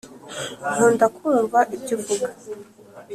nkunda kumva ibyo uvuga